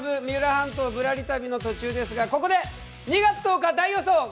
三浦半島ぶらり旅」の途中ですがここで２月１０日大予想！